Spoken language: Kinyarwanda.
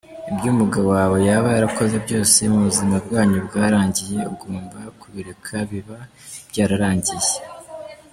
Ibyo umugabo wawe yaba yarakoze byose mu buzima bwanyu bwarangiye, ugombz kubireka biba byararanngiye.